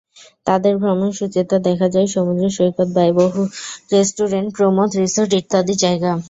তাঁদের ভ্রমণসূচিতে দেখা যায়, সমুদ্রসৈকত, ব্যয়বহুল রেস্টুরেন্ট, প্রমোদ রিসোর্ট ইত্যাদি জায়গা।